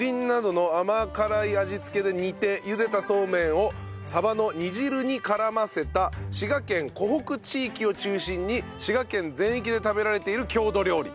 ゆでたそうめんを鯖の煮汁に絡ませた滋賀県湖北地域を中心に滋賀県全域で食べられている郷土料理。